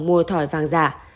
mua thỏi vàng giả